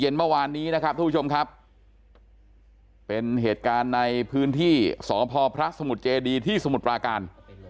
เมื่อวานนี้นะครับทุกผู้ชมครับเป็นเหตุการณ์ในพื้นที่สพพระสมุทรเจดีที่สมุทรปราการ